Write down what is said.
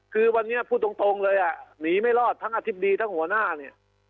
คือวันนี้พูดตรงเลยอ่ะหนีไม่รอดทั้งอธิบดีทั้งหัวหน้าเนี่ย